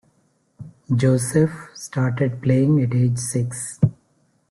Joseph started playing at age six.